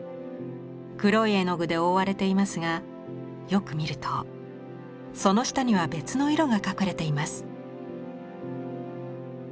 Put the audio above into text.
黒い絵の具で覆われていますがよく見るとその下には別の色が隠れています。